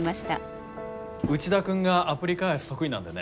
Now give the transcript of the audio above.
内田君がアプリ開発得意なんでね。